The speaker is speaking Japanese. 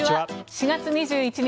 ４月２１日